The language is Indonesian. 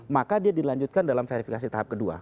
maka dia dilanjutkan dalam verifikasi tahap kedua